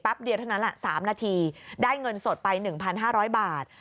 ปั๊บเดียวเท่านั้นล่ะสามนาทีได้เงินสดไปหนึ่งพันห้าร้อยบาท